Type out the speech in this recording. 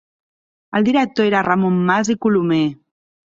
El director era Ramon Mas i Colomer.